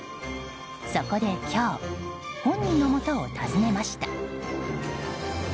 そこで今日本人のもとを訪ねました。